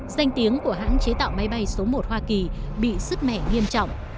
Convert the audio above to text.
danh tiếng của hãng chế tạo máy bay số một hoa kỳ bị sứt mẻ nghiêm trọng